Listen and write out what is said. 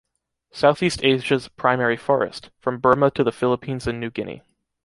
Southeast Asia's primary forest, from Burma to the Philippines and New Guinea.